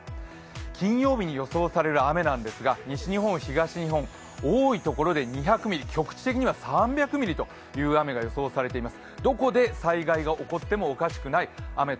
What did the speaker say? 金曜日に予想される雨なんですが、西日本、東日本、多いところで２００ミリ局地的には３００ミリという予想が出ています。